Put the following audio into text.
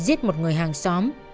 giết một người hàng xóm